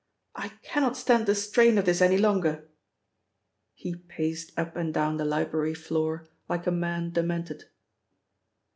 I cannot stand the strain of this any longer." He paced up and down the library floor like a man demented.